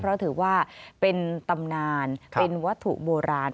เพราะถือว่าเป็นตำนานเป็นวัตถุโบราณ